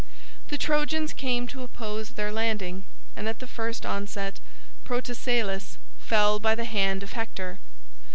The Trojans came to oppose their landing, and at the first onset Protesilaus fell by the hand of Hector.